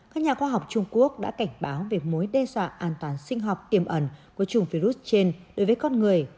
các nhà khoa học trung quốc đã cảnh báo về mối đe dọa an toàn sinh học tiềm ẩn của chủng virus trên đối với con người